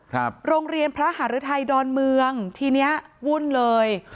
โรงเรียนพระหารือไทยดอนเมืองทีเนี้ยวุ่นเลย